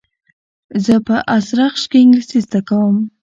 زه په ازرخش کښي انګلېسي زده کوم.